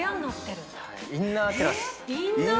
インナーテラス。